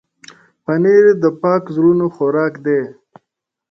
پنېر د پاک زړونو خوراک دی.